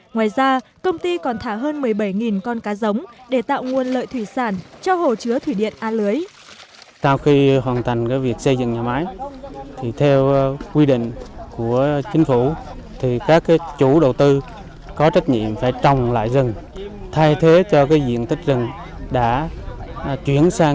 ngoài ra công ty còn thả hơn một mươi bảy con cá giống để tạo nguồn lợi thủy sản